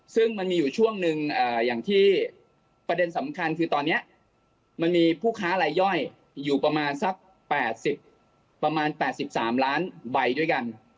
ซึ่งมันมีอยู่ช่วงหนึ่งอย่างที่ประเด็นสำคัญคือตอนนี้มันมีผู้ค้าลายย่อยอยู่ประมาณสักประมาณ๘๓ล้านใบด้วยกัน